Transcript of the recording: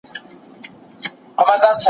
موږ به په راتلونکي کې ښه ګټه ترلاسه کړو.